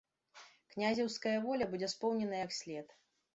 Князеўская воля будзе споўнена як след.